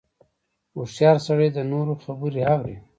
• هوښیار سړی د نورو خبرې اوري.